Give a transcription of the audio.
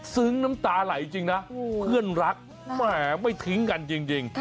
น้ำตาไหลจริงนะเพื่อนรักแหมไม่ทิ้งกันจริง